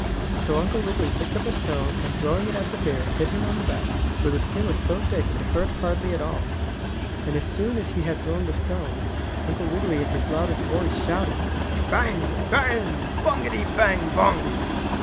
So Uncle Wiggily picked up a stone, and throwing it at the bear, hit him on the back, where the skin was so thick it hurt hardly at all. And as soon as he had thrown the stone Uncle Wiggily in his loudest voice shouted: "Bang! Bang! Bungity bang bung!"